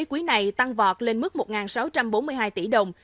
quý này tăng vọt lên mức một sáu trăm bốn mươi hai tỷ đồng